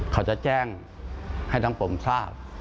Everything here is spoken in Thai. เขาจะแจ้งให้ทั้งผมทราบ